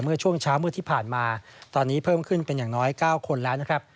เมื่อช่วงเช้ามืดที่ผ่านมาตอนนี้เพิ่มขึ้นเป็นอย่างน้อย๙คนแล้วนะครับ